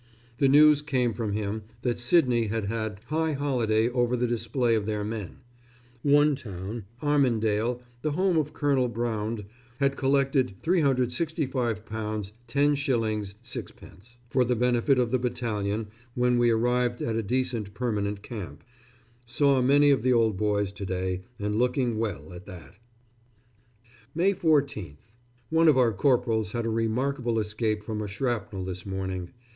The news came from him that Sydney had had high holiday over the display of their men. One town, Armidale, the home of Colonel Braund, had collected £365 10_s._ 6_d._ for the benefit of the battalion when we arrived at a decent permanent camp. Saw many of the old boys to day, and looking well at that. May 14th. One of our corporals had a remarkable escape from a shrapnel this morning.